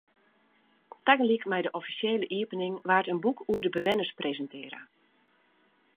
Tagelyk mei de offisjele iepening waard in boek oer de bewenners presintearre.